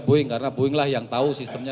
buing karena buing lah yang tahu sistemnya